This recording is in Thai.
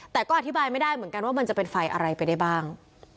แต่ก็อธิบายไม่ได้เหมือนกันว่ามันจะเป็นไฟอะไรไปได้บ้าง